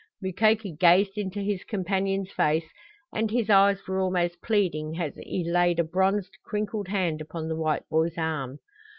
Mukoki gazed into his companion's face and his eyes were almost pleading as he laid a bronzed crinkled hand upon the white boy's arm.